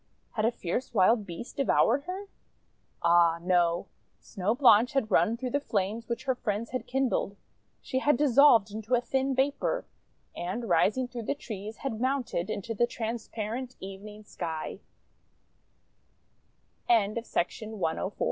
Had a fierce wild beast devoured her? Ah, no! Snow Blanche had run through the flames her friends had kindled. She had dissolved into a thin vapour, and, rising through the trees, had mounted into the transparent even